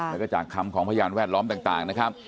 แล้วก็จากคำของพยานแวดล้อมต่างนะครับ